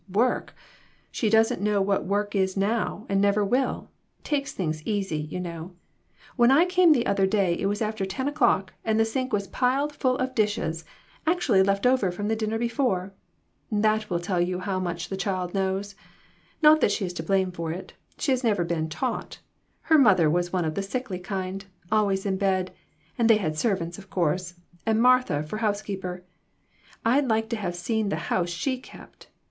"Work! She doesn't know what work is now, and never will ; takes things easy, you know. When I came the other day it was after ten o'clock, and the sink was piled full of dishes ; act ually left over from the dinner before ! That will tell you how much the child knows. Not that she is to blame for it ; she has never been taught. Her mother was one of the sickly kind, always in bed ; and they had servants, of course, and Martha for housekeeper! I'd like to have seen the house she kept